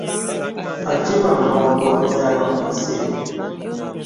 Ākibà mbɔ̀ŋ bòt yàmaŋ ìsɛ̂.